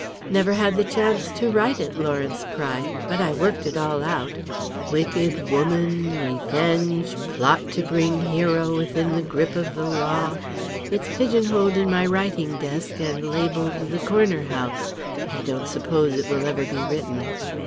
"Never had the chance to write it," Lawrence cried. "But I worked it all out. Wicked woman, revenge, plot to bring hero within the grip of the law. It's pigeonholed in my writing desk, and labelled 'The Corner House.' But I don't suppose it will ever be written."